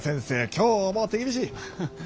今日も手厳しい。